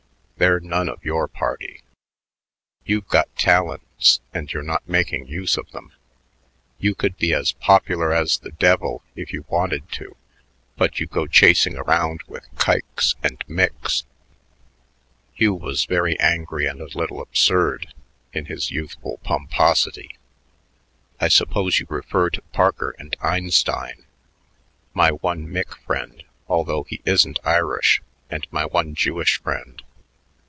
"They're none of your party. You've got talents, and you're not making use of them. You could be as popular as the devil if you wanted to, but you go chasing around with kikes and micks." Hugh was very angry and a little absurd in his youthful pomposity. "I suppose you refer to Parker and Einstein my one mick friend, although he isn't Irish, and my, one Jewish friend.